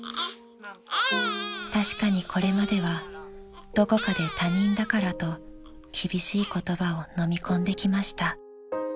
［確かにこれまではどこかで他人だからと厳しい言葉をのみ込んできました］